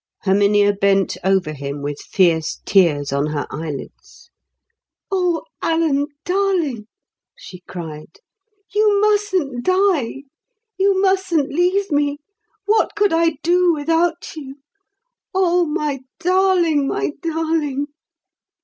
Herminia bent over him with fierce tears on her eyelids. "O Alan darling," she cried, "you mustn't die! You mustn't leave me! What could I do without you? oh, my darling, my darling!